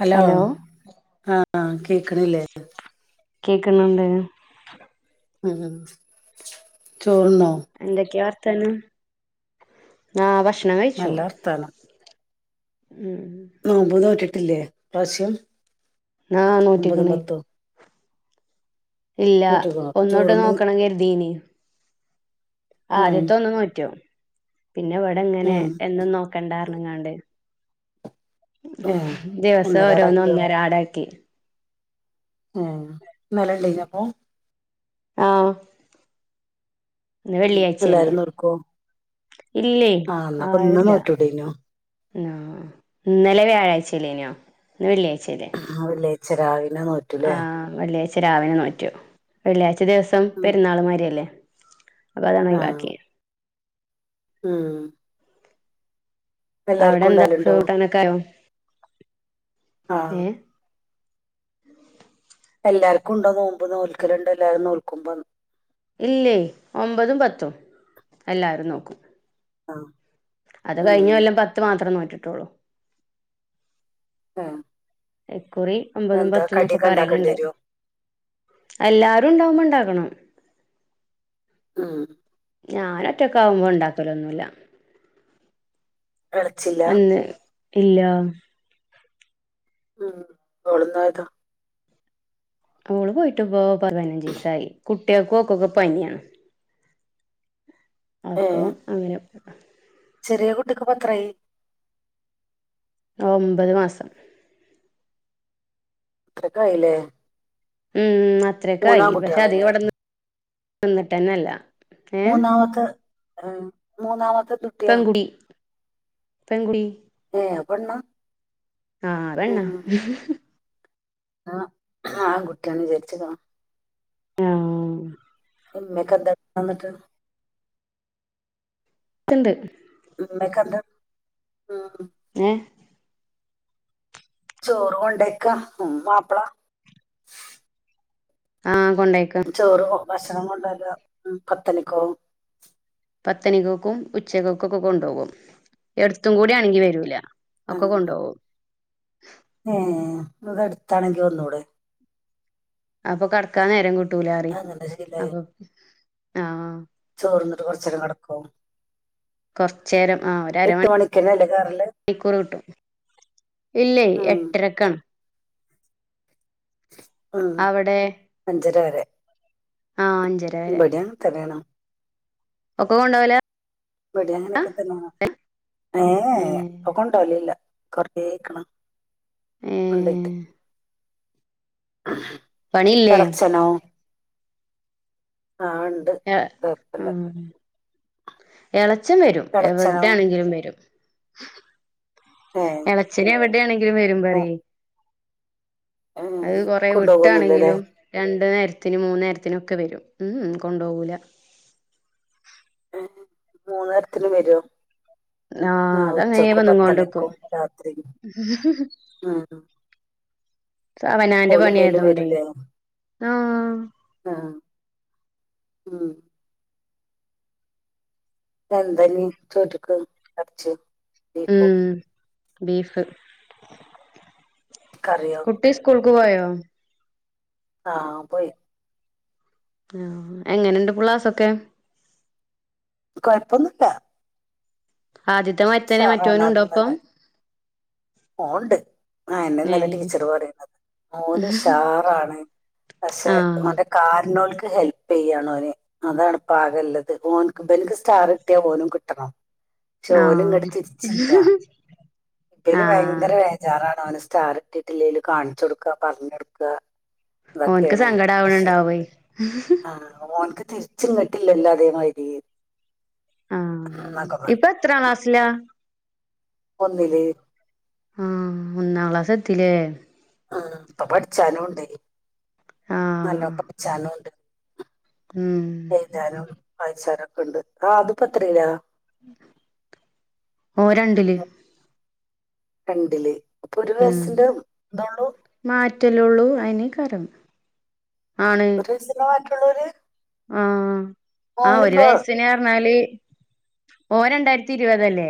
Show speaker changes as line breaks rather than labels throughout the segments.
Hello ആഹ ആ okay കേക്കണി ലേ
കേക്കുന്നുണ്ട്
ഉഹ ചോർണൊ
ആക്ഷ
നല്ല അർത്ഥാന
ഉം
നോമ്പ് നോറ്റിട്ട്- ട്ടില്ലേ ഇപ്രാവശ്യം-
ന
ഒമ്പതും
നോറ്റിക്കണേ
പത്തും
ഇല്ല
നോറ്റിക്കണോ
ഒന്നോട്ട്
ചോറുന്ന്
നോക്കണം കരുതീന് ആ
ഉം
ആദ്യത്തെ ഒന്ന് നോറ്റോ പിന്നെ ഇവിടെ ഇങ്ങനെ
ഉം
എന്നും നോക്കണ്ട ണ്ങ്ങാണ്ട്
ഏ
ദിവസം
ഒന്നര
ഓരോന്ന്
അടക്കിയോ
ഒന്നരാടാക്കി
ഏ ഇന്നലെ ഇണ്ടെയ്നിപ്പോ
ആഹ് ഇന്ന് വെള്ളിയാഴ്ചയല്ലേ
എല്ലാരും നോർക്കോ
ഇല്ലേ
ആസ് എന്നപ്പൊ ഇന്ന് നോറ്റിടെയ്നോ
ആ ഇന്നലെ വ്യാഴാഴ്ചല്ലേനെയോ ഇന്ന് വെള്ളിയാഴ്ച്ച ശരി
ച്ച രാവി
ആ വെള്ളിയ ച്ച രാവിലെ നോറ്റു വെള്ളിയാഴ് ച്ച്ലേസം
ഉം
പെരുന്നാള്മാര്യല്ലേ അതാ ഞാന്
ആ
ഒഴിവാക്കിയെ
ഉം
അവിടെ
എല്ലാർക്കും
എന്താ
ഉണ്ടാവലുണ്ടോ
ചോറ്ക്കൂട്ടാനൊക്കായോ
ആ
ഏഹ്
എല്ലാർക്കുണ്ടോ നോമ്പ് നോൽക്കല്ണ്ട്ല്ലെ നോൽക്കുമ്പം
ഇല്ലേ ഒമ്പതും പത്തും എല്ലാരും നോക്കും
ആഹ്
അത് കഴിഞ്ഞൊല്ലം പത്ത് മാത്രം നോറ്റ് ട്ടുള്ളു
ആഹ്
ഏഹ് ക്കുറി ഒമ്പതും പത്തുന്നൊക്കെ
ഉണ്ടാക്കേണ്ടി
പറിണണ്ട്
വരുവോ
എല്ലാരും ഉണ്ടാവുമ്പണ്ടാവും ക്കണം
ഉം
ഞാൻ ഒറ്റക്കാവുമ്പൊ ഇണ്ടാക്കലൊന്നുല്ല
എളെച്ചില്ലാ
ഇല്ല
ഉം ഓള് എന്നോയതാ
ഓള് പോയിട്ട്പ്പൊ പ പതിനഞ്ചീസായി കുട്ട്യെള്ക്കും ഓക്കൊക്കേ പനിയാ
ഏ
അപ്പം അങ്ങനെ
ചെറിയ കുട്ടിക്ക് ഇപത്രായി?
ഒ ഒമ്പത് മാസം.
അത്രക്കായില്ലേ.
ഉം അ അത്രക്കായി പക്ഷെ അധിക ഇവട്ന്ന് വന്നിട്ടന്നല്ല.
മൂന്നാമക് മൂന്നാമ
പെങ്കുടി പെങ്കുടി
ഏ പെണ്ണാ
ആഹപെണ്ണ
ആഹ ആൺകുട്ടിയാണ് വിചാരിച്ചതോ
ആഹ
ഉമ്മക്കെ എന്ത വന്നിട്ട്?
ഇണ്ട്
മ്മക്കെന്താ
ഏ
ചോറും കൊണ്ടേക്ക ഉ മാപ്പിള
ആഹ
ചോറ ഭഷ ഭക്ഷണം കൊണ്ടല്ല പത്തണിക്കോ?
പത്തണികോക്കും ഉച്ചക്കോക്കക്കെ കൊണ്ടുപോകും എടുത്തും കൂടെ ആണെങ്കി വരൂല
ആ
ഒക്കെ കൊണ്ടോകും
ഇവടെ അടുത്താണെങ്കി വന്നൂടെ
അപ്പൊ കടക്കാൻ നേരം കൂട്ട ട്ടൂലാറി
അങ്ങനെ ശീലായി
അപ്പൊ ആഹ [unintelligible]
കുറച്ച നടക്കും [unintelligible]
കെറച്ചേരം ആഹ് ഒരു അര
മണിക്കന്നെ അല്ലേ കയറല്
മണിക്കൂർ കിട്ടും ഇല്ലേ
ഉം
എട്ടരക്കാണ്
ഉം
അവിടെ
അഞ്ചര വരെ
ആ അഞ്ചര
ഇബടെ അങ്ങൻ തന്നെ ആണ്
ഒക്കൊ കൊണ്ടാവലാ
ഇവട അങ്ങനൊക്കെ തന്നാണ്
ഏ
ഏഹ്ഇപ്പൊ കൊണ്ടാവലില്ല കയ വക്കണ [unintelligible]
ഏ
കണ്ടിട്ട് [unintelligible]
പണിയില്ലേ
എളച്ചനോ? ആഹ ഉണ്ട് കൊയപ്പല്ല
എള ച്ച്ചൻ വരും
എളച്ചനോ
എവിടെയാണെങ്കിലും വരും
ഏ
എളച്ചൻ എവിടെ ആണെങ്കിലും വരുമ്പ പറ
ഏ
അത് കൊറെ
കൊണ്ടോകൊന്നുല്ലലേ
വിട്ടാണെങ്കിലും രണ്ടു നേര് ത്തിന് മൂന്ന്‌ നേരത്തിനൊക്കെ വരും ഊഉം കൊണ്ടോവൂല.
മൂന്ന്‌ നേരത്തിനും വരുവോ?
ആഹ് അതങ്ങനേ വന്ന്ങ്ങോണ്ട് ക്കും
പത്തണിക്കും രാത്രിയും ഉം
സ്അവനാന്റെ പണി
ഓളില്ലേലും
ആയതോണ്ടേ. ആഹ്
ആഹ് ഉം പ്പെന്തഞ് ചോറ്റ്ക്ക് എർച്ച്യോ
ഉം ബീഫ്.
കറിയോ
കുട്ടി സ്കൂൾ ക്ക് പോയോ?
ആഹ് പോയി.
ആഹ് എങ്ങനെണ്ട് പ്ളാസ്സ്‌സൊക്കെ?
കൊഴപ്പൊന്നുല്ല.
ആദ്യത്തെ മറ്റനെ മറ്റോനും ഉണ്ടോ ഇപ്പം.
പോന്നുണ്ട് ആഹ് എന്നെ ഇന്നലെ
ഏഹ്
ടീച്ചർ പറയുന്നത് മോന് ഉഷാറാണ് പക്ഷെ
ആഹ്
അവന്റെ കാലിന ഒരു ഹെൽപ് ചെയ്യാണ്ഓനെ അതാണ് പാകള്ളത് ഓനക് [unintelligible] സ്റ്റാർ കിട്ടിയത് പോലും കിട്ടണം. പക്ഷെ ഓനും ഇങ്ങോട്ട്
ആഹ്
ഇതിനു
ആഹ്
ഭയങ്കര ജാ അതാണ് സ്റ്റാർ കിട്ടിയിട്ട്ല്ലെലും കാണിച്ചു കൊടുക്ക പറഞ്ഞ് കൊടുക്ക.
ഓനക്ക് സങ്കടം ആവണണ്ടാവേ
തിരിച്ച് ഇങ്ങോട്ട്ല്ലല്ലോ അതേമാതിരി.
ആഹ്
എന്നൊക്കെ
ഇപ്പം
പറഞ്ഞു
എത്രാ ക്ലാ സ് ലാ
ഒന്നില്.
ആഹ് ഒന്നാം ക്ലാസ്സ്‌ എത്തില്ലേ?
ആഹ് അപ്പൊ പഠിച്ചാലും ഉണ്ടെ നല്ല
ആഹ്
പഠി [unintelligible] ഉണ്ട്.
ഉം
എഴുതാനും വായിച്ചാനും. ക്ണ്ട് ആഹ് ത് ഇപ്പെത്രീലാ?
ഓൻ രണ്ടില്
രണ്ടില് അപ്പൊ ഒരു വയസിന്റെ ഇതൊള്ളൂ
റ്റല്ലൊള്ളൂ അയന്നേക്കാരം.
ഒരീസന് മാ ക്ലൂര്
ആഹ ആ ഒരു വയസിന് അർഞ്ഞാല് ഓരണ്ടായിരത്തി ഇരുപതല്ലേ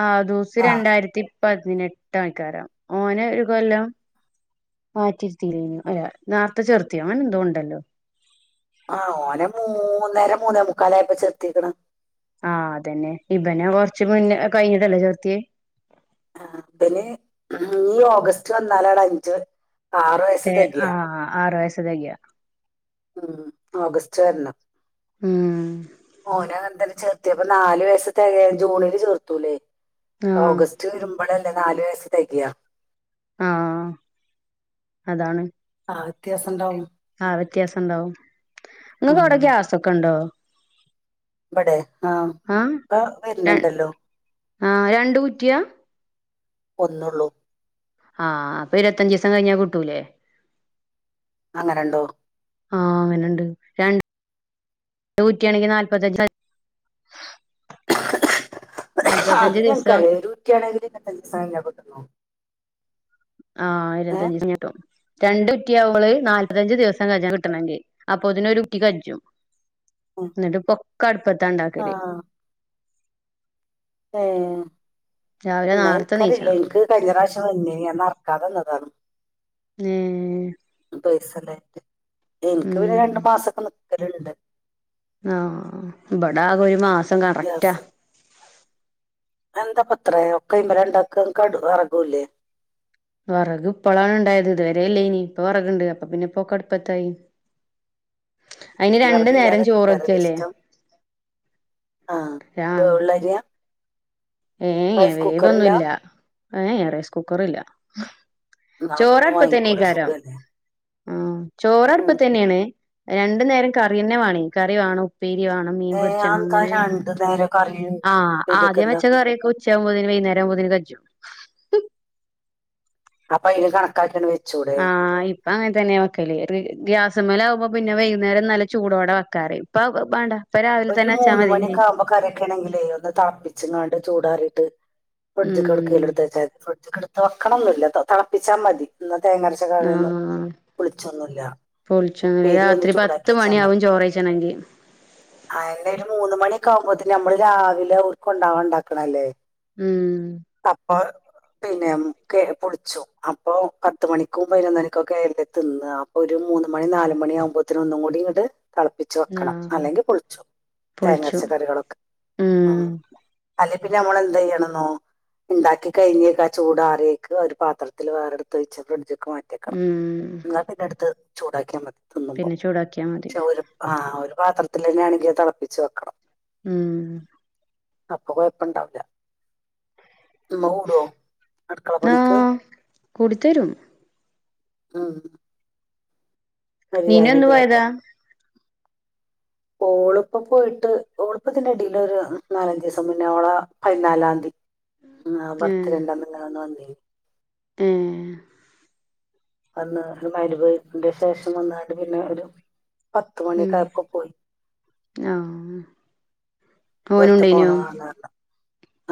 ആ ദൂസ്
ആ
രണ്ടായിരത്തി പതിനെട്ടയ്ക്കാരം ഓന് ഒരു കൊല്ലം മാറ്റിര്ത്തിലേന്യോ അല്ല നേർത്തെ ചെർത്യോ അങ്ങനെ എന്തോൊണ്ടല്ലോ
ആഹ ഓനെ മൂന്നര മൂന്നേ മുക്കാലയപ്പോ ചേർത്തിക്ക്ണ്
ആ അതന്നെ ഇബനെ കൊർച്ച് മുന്നേ അത്‌ കഴിഞ്ഞിട്ടല്ലേ ചെർത്യേ
ആ പിന്നെ ഈ ഓഗസ്റ്റ് വന്നാലാണ് അഞ്ച് ആറ് വയസ്സ്
എ
തികയ
ആഹ് ആറു വയസ് തെകയാ
മ്മ് ഓഗസ്റ്റ് വരണം
ഉം
ഓനങ്ങന തന്നെ ചേർത്യപ്പൊ നാല് വയസ് തെകയാ ജൂണില് ചേർത്തൂല്ലേ
ആ
ഓഗസ്റ്റ് വരുമ്പോഴ നാല് വയസ് തെ കയാ
ആഹ അതാണ്
ആ വ്യത്യാസം ണ്ടാവും
ആഹ വ്യത്യാസം ഉണ്ടാവും നിങ്ങക്ക് അവിടെ ഗ്യാസൊക്കെണ്ടോ
ബടെേ ആഹ ആ വര്ന്ണ്ടല്ലോ
ആഹ രണ്ട് കുറ്റിയാ
ഒന്നുള്ളൂ
ആഹ് അപ്പൊ ഇരത്തഞ്ചിയ്സം കഴിഞ്ഞാ കിട്ടൂലേ
അങ്ങനെ ഉണ്ടോ
ആഹ അങ്ങനെ ഉണ്ട് രണ്ട് രണ്ടുകുറ്റിയണെങ്കി നാല്പത്തഞ്ച്
അത്
നാല്പത്തഞ്ച്
ഞങ്ങക്ക്
ദിവസം
കറീ ഒരു കുറ്റ്യാ ണെങ്കിൽ ഇരത്തഞ്ചിസം കഴിഞ്ഞാ കിട്ടുന്നോ
ആഹ ഇരുത്തഞ്ചിസം കഴിഞ്ഞ കിട്ടും രണ്ട് കുറ്റിയവ്മ്പള് നാല്പത്തഞ്ച ദിവസം കഞ്ച കിട്ടണെങ്കി അപ്പൊതിനെ ഒരു കുറ്റി കഞ്ചും എന്നിട്ട് പ്പൊക്ക അടുപ്പത്താ ണ്ടാക്കല്
ഏഹ്
രാവിലെ
ന്ന
നേർത്തെ
ഇൻക്കറീല
നീച്ചണം
ഇൻക്ക് കഴിഞ്ഞ പ്രാവശ്യം വന്നീനി ഞാൻ നറകാതന്ന താണ്
ഏഹ്
പൈസല്ലായിട്ട് എൻക്ക് പിന്നെ രണ്ടു മാസൊക്കെ നി കരണ്ട്
ആഹ ഇവിടാകെ ഒരു മാസം കറക്റ്റാ
എന്താ പത്രേ ഒക്ക ഇ്മല ഉണ്ടാക്കട ഇറകൂലേ
വിറക് ഇപ്പോളാണ് ഉണ്ടായത് ഇതുവരെ അല്ലേ ഇനി ഇപ്പൊ വിറകുണ്ട് അപ്പൊ പിന്നെ പോൊ കടുപ്പത്തായി
വർഗില്ലാതൊക്കെ കരൽിഷ്ടം ആഹ
ആഹ്
ഉള്ളരിയാ
ഏ വേവൊന്നുമല്ല ഏ ാ റൈസ് കുക്കറല്ല
എന്നാ അതൊന്ന്
ചോറടുപ്പ തന്നെ
വാങ്ങിക്കൂടെ
കാരം
സുഖല്ലേ
ആ ചോറടുപ്പ
ഉം
തന്നെയാണ് രണ്ടു നേരം കറിന്നെ വേണി കറി വേണൂ പരി വാണ്ണം
ഏ
മീൻപരിിച്ചണം
അതെന്താ
അങ്ങനെ
രണ്ടു നേരം കറിയും
ആഹ്
ഉപ്പേരിയൊക്കെ
ആദ്യം
എന്താ
വെച്ച കറിയൊക്കെ ഉച്ചയാകുമ്പോതിന് വൈകുന്നേരംകോതിന് കജു ഉ
അപ്പൊ അല് കണക്കാക്ക വെ
ആഹ ഇപ്പൊ അങ്ങനെ തന്നെയ വെക്കല്േ്യാ അസമല ആകുമ്പോ പിന്നെ വൈകുന്നേരം നല്ല ചൂടോടെ വെക്കാറ് ഇപ്പ വേണ്ട
ഒരു മൂന്ന് മണിയക്കെ ആകുമ്പോ കരക്കണെങ്കിലേ ഒന്ന് താപ്പിച്ചച്ച് ഇങ്ങാണ്ട് ചൂടാറിട്ട് പടജ കടക
ഉം
ലത [unintelligible] വക്കണൊന്നല്ല തിളപ്പിച്ചാൽ മതി തേങ്ങരച്ച കറിയൊന്നും
ആഹ
പുളിച്ചൊന്നുമില്ല
പൊളിച്ചു അങ്ങനെ
ഉപ്പേരി ഒന്ന്
രാത്രി
ചൂടാക്കി
പത്ത്
വെച്ചാൽ
മണിയ ആാവും
മതി
ചോറച്ചണെങ്കി
പി ഒരു മൂന്ന് മണിയ ഒക്ക ആകുമ്പത്തേ നമ്മള് രാവിലെ ർക്ക ഉണ്ടാവാൻ ഉണ്ടാക്കണല്ലേ
ഉം
അപ്പൊ പിന്നെ പൊളിച്ചു അപ്പൊ പത്ത മണിക്കും പതിനൊന്നണിക്കും കേരല തിന്ന് അപ്പൊ ഒരു മൂന്ന് മണി നാലുമണി ആകുമ്പോത്തനും ഒന്നും കൂടി ഇങ്ങോട്ട് തിളപ്പിച്ച്
ആ
വെക്കണം അല്ലെങ്കിൽ
പൊളിച്ചു
തേങ്ങച്ചറികളൊക്കെ
ഉം
പിന്നെ നമ്മളെന്തന്ത് ചെയ്യണംെന്നോ ഉണ്ടാക്കി കഴിഞ്ഞക്കെ ആ ചൂടാറിയൊക്ക് ഒരു പാത്രത്തിൽ വേറെടുത്ത് വെച്ച് ഫ്രിഡ്ജ മാറ്റക്കണം
ഉം
നി പിന്നെ അടുത്ത് ചൂടാക്കിയാ മതി തിന്നുമ്പോ
പിന്നെ ചൂടാക്കിയാ മതി
പക്ഷെ ഒരു ആ ഒരു പാത്രത്തില തിളപ്പിച്ചു വെക്കണം
ഉം
അപ്പൊ കൊഴപ്പ ഇണ്ടാവില്ല ഉ ഓടോ അടുക്കള
ആ
പണിക്ക്
കൂടിത്തരും
ആഹ
നീന ഒന് പോയതാ
ളുപ്പ പോയിട്ട് ളുപ്പത്തിന്റെടിൽ ഒരു നാലഞ്ചു ദിവസം മുന്നേ ഓളെ പതിനാലാംീയതി ആ ബർത്ത്േ ഉണ്ടന്നന്ന് വന്നി
ഏഹ്
വന്ന് ഒരു മഹ്‌രിബിന്റെ ശേഷം വന്നാണ്ട് പിന്നെ ഒരു പത്ത് മണിയൊക്കായപ്പം പോയി.
ആഹ് ഉം
വെർത
ഓനുണ്ടേനോ
പോന്നതാർണാണ്ട്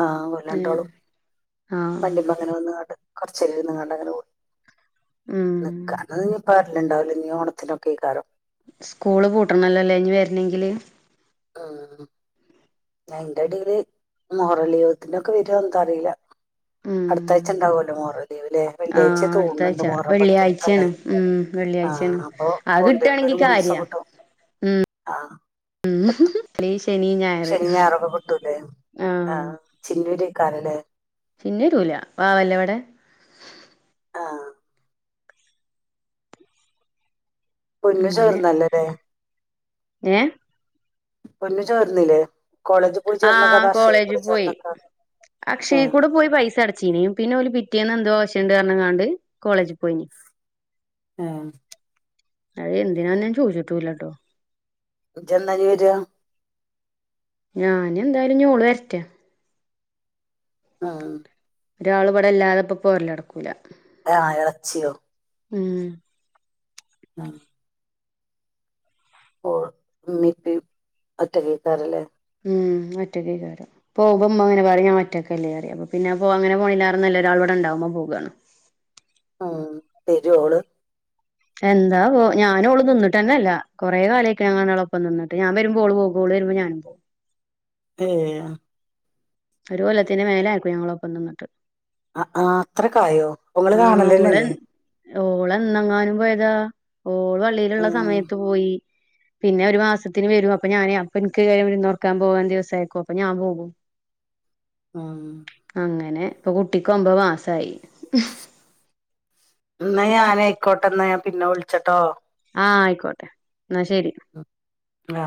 ആഹ്
ഏ
ഓലണ്ടാളും
ആ
വണ്ടിമ്മ തന്നെ വന്ന് കാട്ട്. കൊറച്ചേര ഇര്ന്ന് കാണ്ടങ്ങനെ പോയി.
ഉം
നിക്കാ ന്നാ പിന്നിം ഇപ്പ വരല്ണ്ടാവുല്ല ഞ് ഓണത്തിനൊക്കെക്കാരം.
സ്കൂള് പൂട്ടണല്ലോല്ലോ ഇഞ് വരണെങ്കില്.
ആഹ് അയ്ന്റെടയില് മൊഹറൽ ലീവത്തിന്റെ ഒക്കെ വരോ അറീല്ല.
ഉം
അടുത്താഴ്ച ഉണ്ടാവല്ലോ മോഹറ ലീവല്ലേ
ആ
വെള്ളിയാഴ്ചയ തോന്നുണ്ട്
അടുത്താഴ്ച
മ മുഹറം പത്ത് അല്ലെ
വെള്ളിയാഴ്ചയാണ് ഉം
ആഹ
വെള്ളിയാഴ്ചയാണ്
അപ്പൊ
അത്
പോണ്ടക്ക്
കിട്ടാണെങ്കി
ഒരു മൂന്ന് ദിവസം
കാര്യാ
കിട്ടും ആഹ
ഉം
പത്ത്
അല്ലെ ശനി ഞായർ
ശനി ഞായറൊക്കെ കിട്ടൂല്ലേ ആഹ് ചിന്നൂര് കാരല്ലേ
ചിന്നു വരുല വാവല്ലേ ഇവിടെ
ആഹ് പൊന്നു ചോർന്നല്ലല്ലേ
ഏഹ്
പൊന്നു ചോർന്നില്ലേ
ആഹാ കോളേജിൽ പോയി
ആ
അക്ഷയെ കൂടെ പോയി പൈസ അടച്ചീനും പിന്നെ ഓല് പി റ്റിയെന്ന് എന്തോ ആവ്ശ്യ ഉണ്ട് പറഞ്ക്കാണ്ട് കോളേജ് പോയിനി അ എന്തിനാ ഞാൻ ചോദിച്ചിട്ടും ഇല്ലട്ടോ
ഇജ്ജ് എന്നാ ഇഞ് വരാ
ഞാന് എന്തായാലും ഓള് വരട്ടെ
ആഹ്
ഒരാൾ ഇവിടെ ഇല്ലാതെ ഇപ്പം പൊരല് നടക്കൂല
ആഹ് ഇളച്ചിയോ
ഉം
ആഹ് ഇമ്മീ ഇപ്പയും ഒറ്റക്കാക്കൂലേ
ഉം ഉമ്മ ഒറ്റൊക്കേയ്ക്കാരം പോകുമ്പോ ഇമ്മ ഇങ്ങനെ പറിം ഞാൻ ഒറ്റക്കെല്ലേ അപ്പൊ പിന്നെ അങ്ങനെ പേണോയ്ലാറെ നല്ലത് ഒരാള് ഇവിടെണ്ടാവുമ്പോ പോകാണ്
ഉം വരു ഓള്
എന്താ വൊ ഞാനും ഓള് നിന്നിട്ടെന്നെ ല്ല കൊറെ കാലായ്ക്ക്ണ് ഞങ്ങള് രണ്ടാളും ഒപ്പം നിന്നിട്ട് ഞാൻ വരുമ്പോ ഓള് പോകും
ഏഹ്
ഒരു കൊല്ലത്തിന് മേലെ ആയിരിക്കും ഞങ്ങളൊപ്പം നിന്നിട്ട്
അഹ് ആഹ് അത്രക്കായോ ഒങ്ങള് കാണലെന്നല്ലേ
ഓളെന്നന്തങ്ങാനും പോയതാ ഓൾ വള്ളിയില്ള്ള
ഉം.
സമയത്ത് പോയി പിന്നെ ഒരു മാസത്തിന് വെരും അപ്പൊ ഞാനെ അപ്പ ഇൻക്ക് കയം വിര്ന്നൊറക്കാൻ പോവും ദിവസേക്കും അപ്പൊ ഞാ പോകും
ആ
അങ്ങനെ ഇപ്പൊ കുട്ടിക്ക് ഒമ്പോ മാസായി
ഇന്ന ഞാൻയിക്കോട്ടെന്ന ഞാ പിന്നെ വിളിച്ചട്ടോ
ആ ആയിക്കോട്ടെ എന്നാ ശരി
ആ